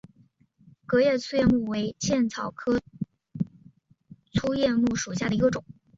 革叶粗叶木为茜草科粗叶木属下的一个种。